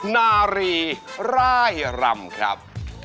นารีร่ายรำครับ